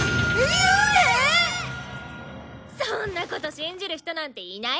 そんなこと信じる人なんていないわよね！